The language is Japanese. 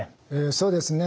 そうですね。